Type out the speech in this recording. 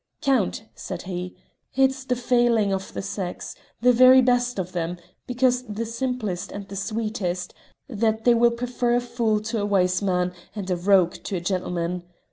"Count," said he, "it's the failing of the sex the very best of them, because the simplest and the sweetest that they will prefer a fool to a wise man and a rogue to a gentleman.